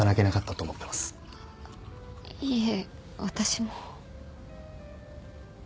いえ私も。